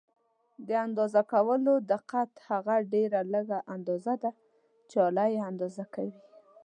د اندازه کولو دقت هغه ډېره لږه اندازه ده چې آله یې اندازه کوي.